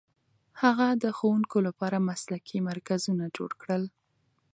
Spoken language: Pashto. هغه د ښوونکو لپاره مسلکي مرکزونه جوړ کړل.